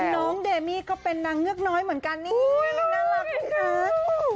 น้องเดมี่ก็เป็นนางเงือกน้อยเหมือนกันนี่น่ารักพี่คะ